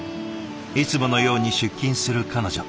いつものように出勤する彼女。